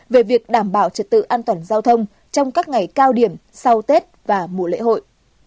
về việc đảm bảo trật tự an toàn giao thông trong các ngày cao điểm sau tết và mùa lễ hội